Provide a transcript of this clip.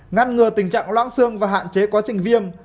ngăn ngừa tình trạng loãng xương và hạn chế quá trình viêm